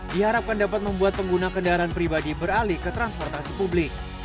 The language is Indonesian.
diharapkan dapat membuat pengguna kendaraan pribadi beralih ke transportasi publik